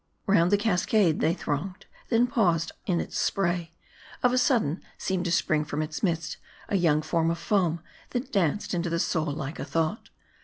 Round the cascade they thronged ; then paused "in its spray. Of a sudden, seemed to spring from its midst, a young form of foam, that danced into the soul like a thought.